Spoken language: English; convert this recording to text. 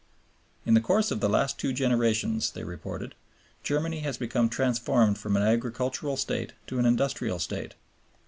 "In the course of the last two generations," they reported, "Germany has become transformed from an agricultural State to an industrial State.